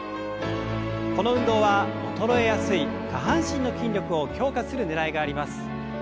この運動は衰えやすい下半身の筋力を強化するねらいがあります。